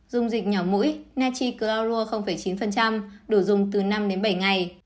dung dịch nhỏ mũi nechi claurua chín đủ dùng từ năm bảy ngày